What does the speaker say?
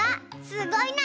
すごいな！